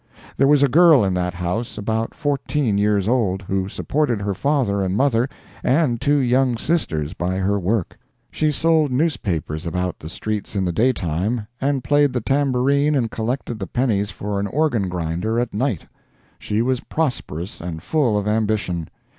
There was a girl in that house, about fourteen years old, who supported her father and mother and two young sisters by her work. She sold newspapers about the streets in the daytime, and played the tambourine and collected the pennies for an organ grinder at night. She was prosperous, and full of ambition.